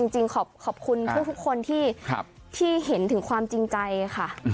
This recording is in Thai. จริงขอบคุณทุกคนที่เห็นถึงความจริงใจค่ะ